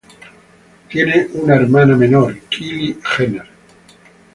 Tiene una hermana menor, Kylie Jenner.